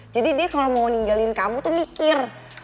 jadi dia kalo mau ninggalin kamu tuh mikir